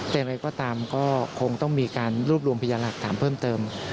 แต่อะไรก็ตามก็คงต้องมีการรวบรวมพยานหลักฐานเพิ่มเติม